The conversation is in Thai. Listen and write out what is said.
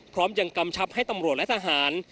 พร้อมยังกำชับให้ตำรวจและทหาร